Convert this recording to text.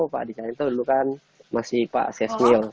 pak adi cahyanto dulu kan masih pak setmil